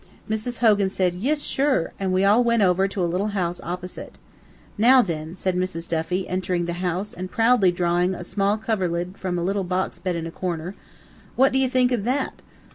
Mrs. Hogan said "Yis, sure," and we all went over to a little house, opposite. "Now, thin," said Mrs. Duffy, entering the house, and proudly drawing a small coverlid from a little box bed in a corner, "what do you think of that?"